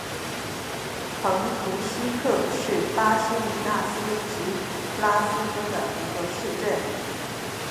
蓬图希克是巴西米纳斯吉拉斯州的一个市镇。